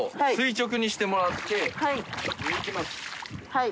はい。